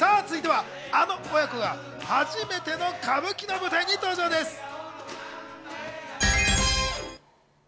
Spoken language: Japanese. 続いては、あの子役が初めての歌舞伎の舞台に登場です。